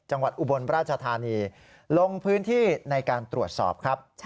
จังหวัดอุบลประชฌานีลงพื้นที่ในการตรวจสอบครับ